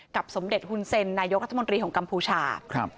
สมเด็จฮุนเซ็นนายกรัฐมนตรีของกัมพูชาครับ